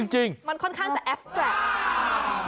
จริงมันค่อนข้างพูดจุดตอบ